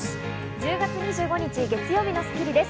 １０月２５日、月曜日の『スッキリ』です。